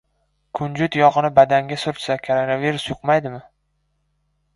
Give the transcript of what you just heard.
Kunjut yog‘ini badanga surtsa koronavirus yuqmaydimi?